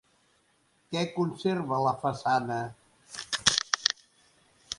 Què conserva la façana?